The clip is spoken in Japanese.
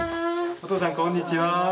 おとうさんこんにちは。